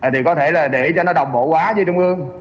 thì có thể là để cho nó đồng bộ quá với trung ương